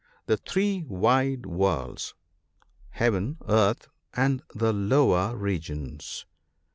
The three wide worlds, — Heaven, earth, and the lower regions.